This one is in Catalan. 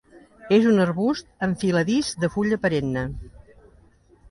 És un arbust enfiladís de fulla perenne.